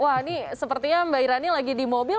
wah ini sepertinya mbak irani lagi di mobil